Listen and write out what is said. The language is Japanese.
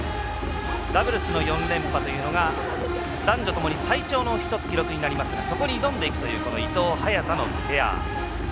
ダブルスの４連覇というのが男女ともに最長の記録になりますがそこに挑んでいくというこの伊藤、早田のペア。